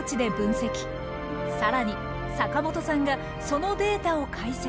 さらに坂本さんがそのデータを解析。